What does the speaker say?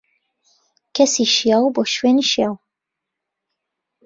کەسی شیاو، بۆ شوێنی شیاو.